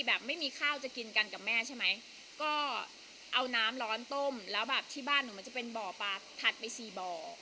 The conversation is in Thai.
แบบไม่มีข้าวจะกินกันกับแม่ใช่ไหมก็เอาน้ำร้อนต้มแล้วแบบที่บ้านหนูมันจะเป็นบ่อปลาถัดไปสี่บ่อ